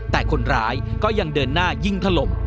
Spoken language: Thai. แต่คนร้ายก็ยังเดินหน้ายิงถล่ม